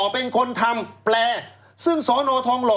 เป็นคนทำแปลซึ่งสอนอทองหล่อ